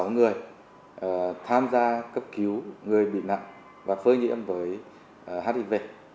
ba mươi sáu người tham gia cấp cứu người bị nạn và phơi nhiễm với hiv